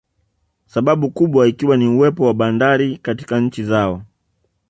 Sababu kubwa ikiwa ni uwepo wa bandari katika nchi zao